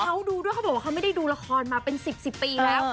เขาดูด้วยเขาบอกว่าเขาไม่ได้ดูละครมาเป็น๑๐ปีแล้ว